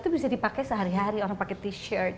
itu bisa dipakai sehari hari orang pakai t shirt